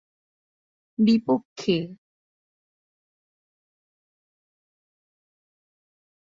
নিজ পিতা অ্যালভা’র বিপক্ষে বোলিং করতেন।